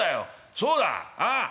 そうだああ。